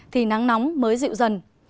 thì nắng nóng mới dịu dần